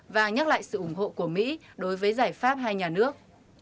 và nhắc lại sự ủng hộ của mỹ đối với giải pháp hai nhà nước